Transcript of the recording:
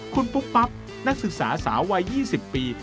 คุณปุ๊กปั๊บนักศึกษาสาววัย๒๐ปี